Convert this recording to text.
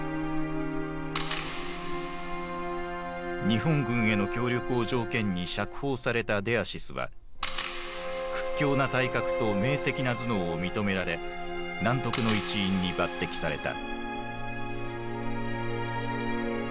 日本軍への協力を条件に釈放されたデアシスは屈強な体格と明せきな頭脳を認められナントクの一員に抜てきされた。